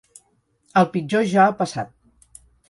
El pitjor ja ha passat.